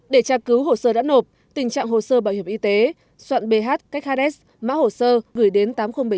để tra cứu hồ sơ đã nộp tình trạng hồ sơ bảo hiểm y tế soạn bh qqt mã hồ sơ gửi đến tám nghìn bảy mươi chín